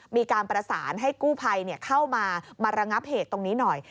มีการประสานให้กู้ภัยเข้ามามาระงับเหตุตรงนี้หน่อย